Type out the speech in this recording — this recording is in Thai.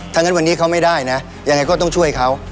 ถ้างั้นวันนี้เขาไม่ได้นะยังไงก็ต้องช่วยเขา